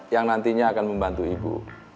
yang nantinya akan membantu ibu